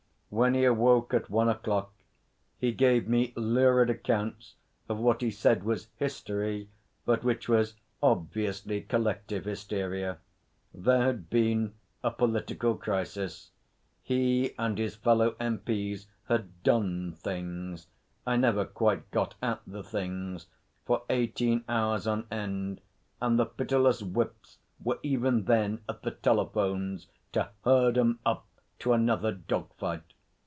When he awoke at one o'clock he gave me lurid accounts of what he said was history, but which was obviously collective hysteria. There had been a political crisis. He and his fellow M.P.'s had 'done things' I never quite got at the things for eighteen hours on end, and the pitiless Whips were even then at the telephones to herd 'em up to another dog fight.